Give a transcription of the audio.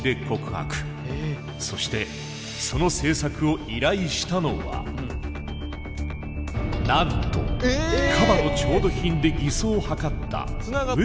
そしてその制作を依頼したのはなんとカバの調度品で偽装を図ったウェザレルだった。